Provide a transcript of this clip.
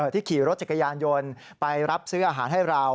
ที่ขี่รถจักรยานยนต์ไปรับซื้ออาหารให้เรา